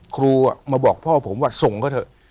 ครูมาบอกพ่อผมว่าส่งเขาเถอะ